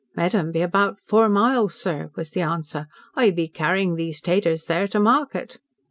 "Medham be about four mile, sir," was the answer. "I be carryin' these 'taters there to market."